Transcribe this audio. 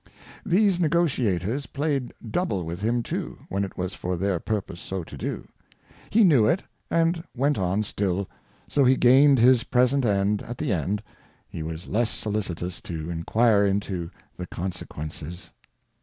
These Negotiators played double with him too, when it was for their purpose so to do. He knew it, and went on still ; so he gained his present end, at the time, he was less sohcitous to enquire into the Con sequences.